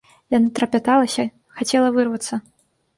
Яна трапяталася, хацела вырвацца.